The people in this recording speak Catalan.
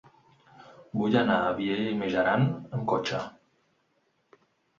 Vull anar a Vielha e Mijaran amb cotxe.